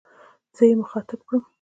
زه يې مخاطب کړم.